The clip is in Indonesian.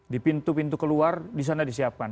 di pintu pintu keluar di sana disiapkan